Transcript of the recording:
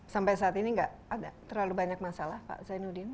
sampai saat ini tidak ada terlalu banyak masalah pak zainuddin